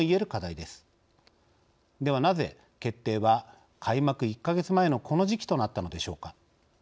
ではなぜ決定は開幕１か月前のこの時期となったのでしょうか。